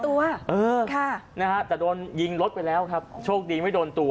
เป็นฟ้ามีตัวเออค่ะนะฮะแต่โดนยิงรถไปแล้วครับโชคดีไม่โดนตัว